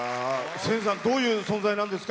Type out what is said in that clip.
千さんどういう存在なんですか？